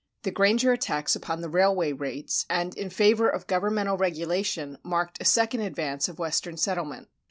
The "Granger" attacks upon the railway rates, and in favor of governmental regulation, marked a second advance of Western settlement.